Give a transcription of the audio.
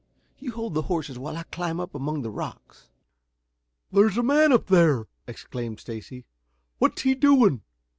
You hold the horses while I climb up among the rocks." "There's a man up there!" exclaimed Stacy. "What's he doing?